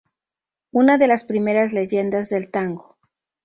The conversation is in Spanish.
Una de las primeras leyendas del tango.